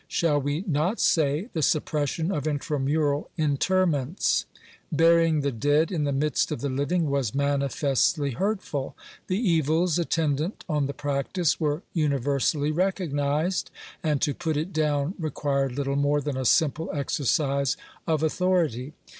Shall we not say the suppression of intramural interments ? Burying the dead in the midst of the living was manifestly hurtful ; the evils at tendant on the practice were universally recognised ; and to put it down required little more than a simple exercise of authority.